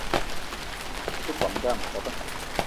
Be te kome dame pabe